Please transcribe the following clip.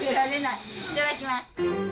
いただきます。